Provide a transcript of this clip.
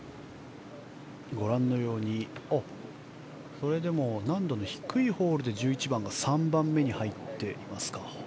それでも難度の低いホールで１１番が３番目に入っていますか。